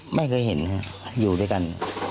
กระดิ่งเสียงเรียกว่าเด็กน้อยจุดประดิ่ง